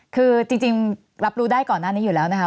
คือจริงรับรู้ได้ก่อนหน้านี้อยู่แล้วนะคะ